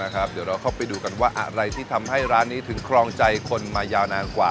เดี๋ยวเราเข้าไปดูกันว่าอะไรที่ทำให้ร้านนี้ถึงครองใจคนมายาวนานกว่า